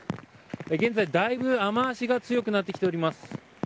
現在、だいぶ雨脚が強くなってきております。